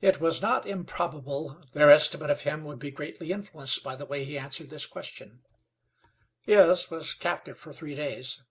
It was not improbably their estimate of him would be greatly influenced by the way he answered this question. "Yes; was captive for three days."